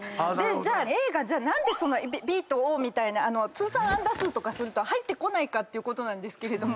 じゃあＡが何でＢとＯみたいに通算安打数とか入ってこないかっていうことなんですけれども。